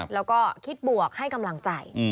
แล้วก็คิดบวกให้กำลังใจ